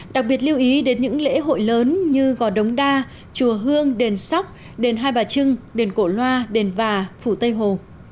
đặc biệt lưu ý đến những lễ hội lớn như gò đống đa chùa hương đền sóc đền hai bà trưng đền cổ loa đền và phủ tây hồ